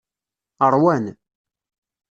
Ṛwan.